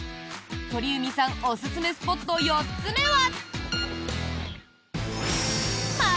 鳥海さんおすすめスポット４つ目は。